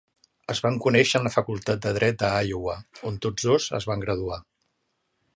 Es van conèixer en la Facultat de Dret de Iowa, on tots dos es van graduar.